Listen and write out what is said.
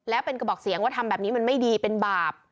แล้วเป็นกระบอกเสียงว่าทำแบบนี้มันไม่ดีเป็นบาป